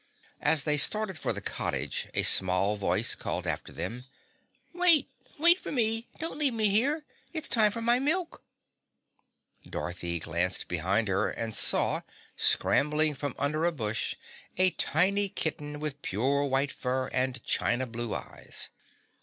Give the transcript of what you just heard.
As they started for the cottage, a small voice called after them, "Wait! Wait for me! Don't leave me here! It's time for my milk!" Dorothy glanced behind her and saw, scrambling from under a bush, a tiny kitten with pure white fur and china blue eyes.